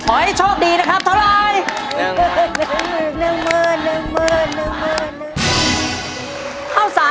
ขอให้โชคดีนะครับเท่าไร